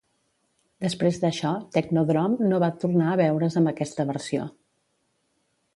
Després d'això, Technodrome no va tornar a veure's amb aquesta versió.